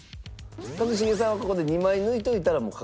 一茂さんはここで２枚抜いておいたらもう確実。